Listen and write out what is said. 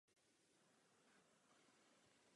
Nemohl bych jinak hrát.